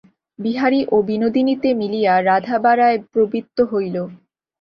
বিহারী ও বিনোদিনীতে মিলিয়া রাঁধাবাড়ায় প্রবৃত্ত হইল।